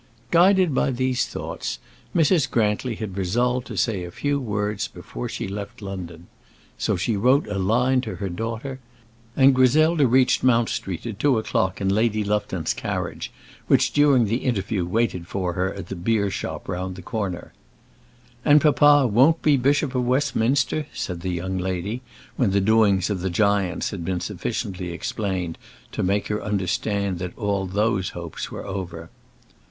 Guided by these thoughts, Mrs. Grantly had resolved to say a few words before she left London. So she wrote a line to her daughter, and Griselda reached Mount Street at two o'clock in Lady Lufton's carriage, which, during the interview, waited for her at the beer shop round the corner. "And papa won't be Bishop of Westminster?" said the young lady, when the doings of the giants had been sufficiently explained to make her understand that all those hopes were over.